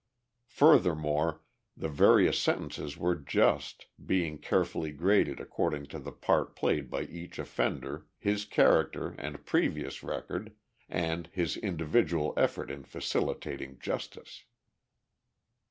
Furthermore, the various sentences were just, being carefully graded according to the part played by each offender, his character and previous record, and his individual effort in facilitating justice.